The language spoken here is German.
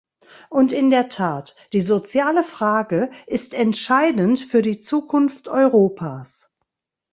Und in der Tat, die soziale Frage ist entscheidend für die Zukunft Europas!